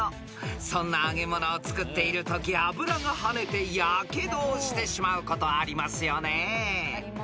［そんな揚げ物を作っているとき油がはねてやけどをしてしまうことありますよね］